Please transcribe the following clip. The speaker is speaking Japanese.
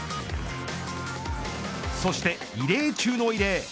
そして異例中の異例。